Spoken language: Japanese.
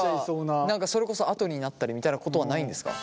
何かそれこそ跡になったりみたいなことはないんですか？